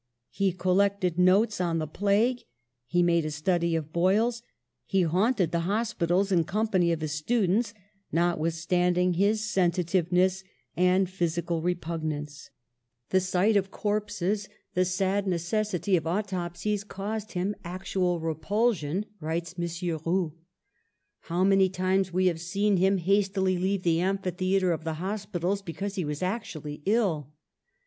He collected notes on the plague, he made a study of boils, he haunted the hospitals in company of his stu dents, notwithstanding his sensitiveness and physical repugnance. 134 PASTEUR ^The sight of corpses, the sad necessity of autopsies caused him actual repulsion," writes M. Roux. ^^How many times we have seen him hastily leave the amphitheatre of the hospitals because he was actually ill!